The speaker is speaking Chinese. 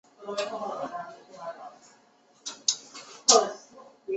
航空公园所在的并木地区聚集许多公共机关。